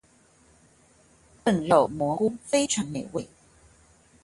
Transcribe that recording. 燉肉蘑菇非常美味